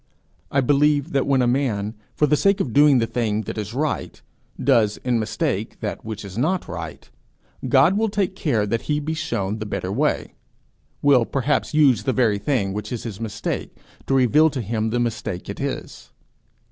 I believe that when a man, for the sake of doing the thing that is right, does in mistake that which is not right, God will take care that he be shown the better way will perhaps use the very thing which is his mistake to reveal to him the mistake it is.